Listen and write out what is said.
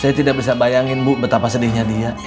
saya tidak bisa bayangin bu betapa sedihnya dia